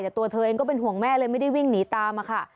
แต่ตัวเธอเองก็เป็นห่วงแม่เลยไม่ได้วิ่งหนีตามมาค่ะ